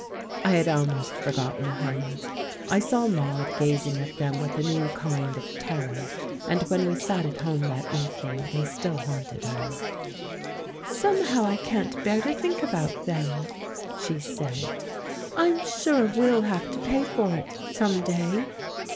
I had almost forgotten the Huns. I saw Maude gazing at them with a new kind of terror. And when we sat at home that evening they still haunted her. "Somehow, I can't bear to think about them," she said. "I'm sure we'll have to pay for it, some day."